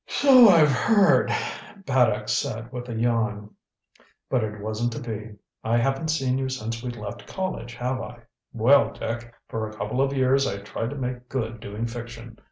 "So I've heard," Paddock said with a yawn. "But it wasn't to be. I haven't seen you since we left college, have I? Well, Dick, for a couple of years I tried to make good doing fiction.